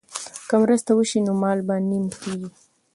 که مرسته وشي نو مال به نیم کیږي.